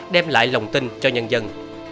đem lại lòng tin cho nhân dân